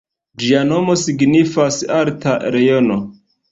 Ĝia nomo signifas “alta Rejno”.